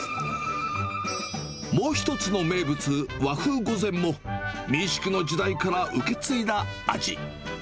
もう一つの名物、和風御膳も、民宿の時代から受け継いだ味。